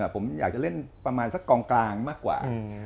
ผมอยากจะเล่นประมาณสักกองกลางมากกว่า